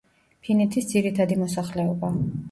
ფინეთის ძირითადი მოსახლეობა.